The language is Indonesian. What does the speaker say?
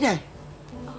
deh cepet aja deh